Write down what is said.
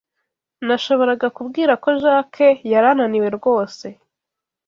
Nashoboraga kubwira ko Jack yari ananiwe rwose.